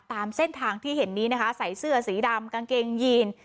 ตามเส้นทางที่เห็นนี้นะคะใส่เสื้อสีดำกางเกงยีน